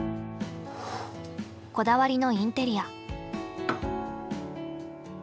こだわりのインテリア。